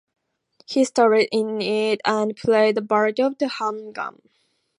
He starred in it and played the part of the hangman.